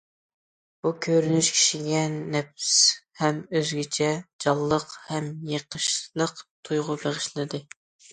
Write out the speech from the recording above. بۇ كۆرۈنۈش كىشىگە نەپىس ھەم ئۆزگىچە، جانلىق ھەم يېقىشلىق تۇيغۇ بېغىشلىدى.